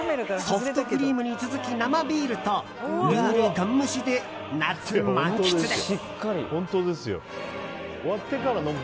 ソフトクリームに続き生ビールとルールガン無視で夏満喫です。